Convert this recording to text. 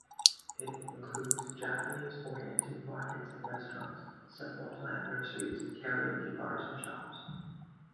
It includes Japanese-oriented markets and restaurants, several plant nurseries, karaoke bars and shops.